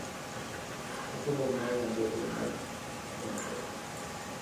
Es el hermano mayor de Mike Weinberg.